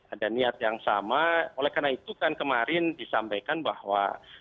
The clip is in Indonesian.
ada niat yang sama oleh karena itu kan kemarin disampaikan bahwa